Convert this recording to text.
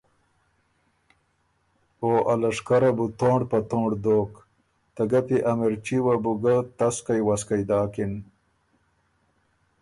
او ا لشکره بُو تونړ په تونړ دوک، ته ګپی ا مِرچي وه بو تسکئ وسکئ داکِن،